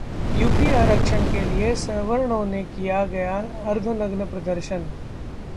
UP: आरक्षण के लिए सवर्णों ने किया गया अर्धनग्न प्रदर्शन